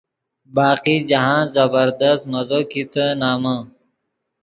باقی جاہند زبردست مزو کیتے نمن۔